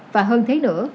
và hơn thế nữa